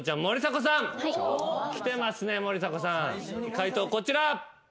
解答こちら。